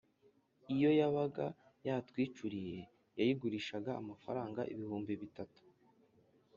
iyo yabaga yatwicuriye yayigurishaga amafaranga ibihumbi bitatu.